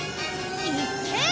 いっけー！